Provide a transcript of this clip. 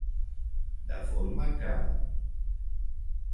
De forma que.